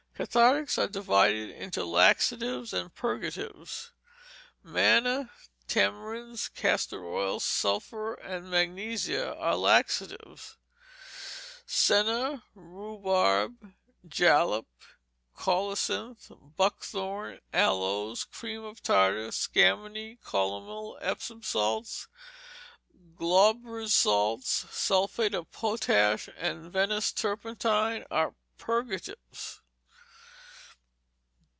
Cathartics are divided into laxatives and purgatives. Manna, tamarinds, castor oil, sulphur, and magnesia are laxatives; senna, rhubarb, jalap, colocynth, buckthorn, aloes, cream of tartar, scammony, calomel, Epsom salts, Glauber's salts, sulphate of potash, and Venice turpentine are _purgatives.